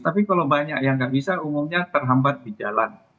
tapi kalau banyak yang nggak bisa umumnya terhambat di jalan